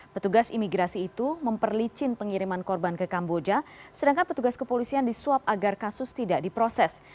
petugas imigrasi itu memperlicin pengiriman korban ke kamboja sedangkan petugas kepolisian disuap agar kasus tidak diproses